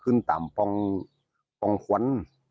ขึ้นสตามปองควั้น